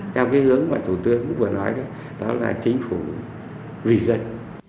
theo cái hướng mà thủ tướng vừa nói đó đó là chính phủ vì dân